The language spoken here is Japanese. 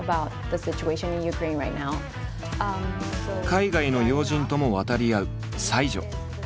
海外の要人とも渡り合う才女。